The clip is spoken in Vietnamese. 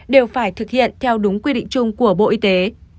đều phải thực hiện theo đúng quy định chung của bộ y tế